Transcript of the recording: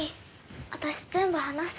私全部話す。